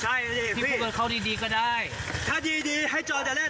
ใช่เลยพี่พี่พูดว่าเขาดีดีก็ได้ถ้าดีดีให้จอดแต่แรก